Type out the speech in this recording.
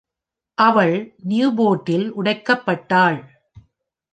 அவள் நியூபோர்ட்டில் உடைக்கப்பட்டாள்.